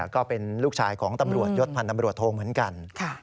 ก็เป็นลูกชายของตำรวจยศพันธ์ตำรวจโทเหมือนกัน